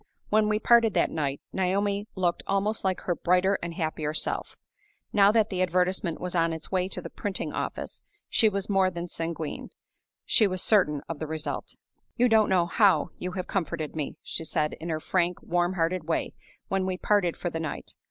When we parted that night, Naomi looked almost like her brighter and happier self. Now that the advertisement was on its way to the printing office, she was more than sanguine: she was certain of the result. "You don't know how you have comforted me," she said, in her frank, warm hearted way, when we parted for the night.